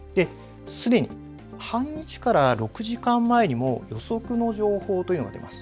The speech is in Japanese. すでに半日から６時間前にも予測の情報というのが出ます。